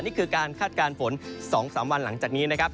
นี่คือการคาดการณ์ฝน๒๓วันหลังจากนี้นะครับ